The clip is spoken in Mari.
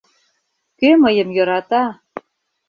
Кӧ мыйым йӧрата?